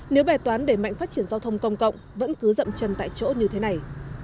nếu bài toán để mạnh phát triển giao thông công cộng vẫn cứ rậm chân tại chỗ như thế này